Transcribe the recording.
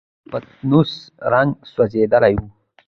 د پتنوس رنګ سوځېدلی و.